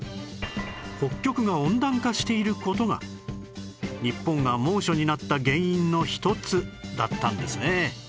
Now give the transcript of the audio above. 北極が温暖化している事が日本が猛暑になった原因の一つだったんですね